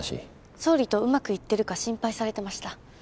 総理とうまくいってるか心配されてました。